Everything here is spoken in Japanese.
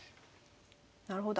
なるほど。